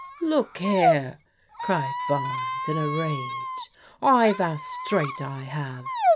" Look here," cried Barnes in a rage. " I've asked straight, I have.